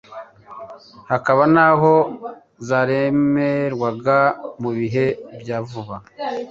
hakaba n'aho zaremerwaga mu bihe bya vuba.